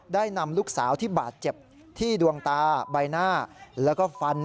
ได้นำลูกสาวที่บาดเจ็บที่ดวงตาใบหน้าแล้วก็ฟัน